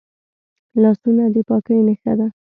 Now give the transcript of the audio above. لاسونه د پاکۍ نښه ده